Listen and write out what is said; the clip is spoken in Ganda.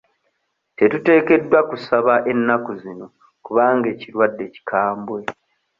Tetuteekeddwa kusaba ennaku zino kubanga ekirwadde kikambwe.